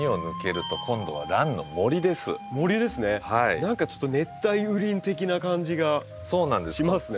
何かちょっと熱帯雨林的な感じがしますね。